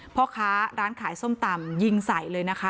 พ่อค้าร้านขายส้มตำยิงใส่เลยนะคะ